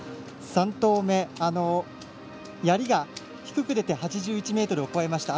３投目、やりが低く出て８１ｍを超えました。